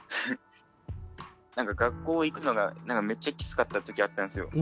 なんか学校行くのがなんかめっちゃきつかった時あったんすよ。